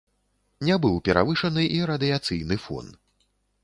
Не быў перавышаны і радыяцыйны фон.